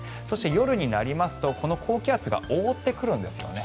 そして、夜になりますとこの高気圧が覆ってくるんです。